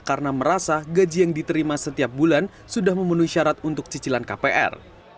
karena merasa gaji yang diterima setiap bulan sudah memenuhi syarat untuk cicilan kpr